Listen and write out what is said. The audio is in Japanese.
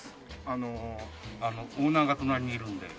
あのオーナーが隣にいるんで。